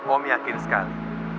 om yakin sekali